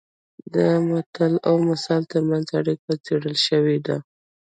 د متل او مثل ترمنځ اړیکه څېړل شوې ده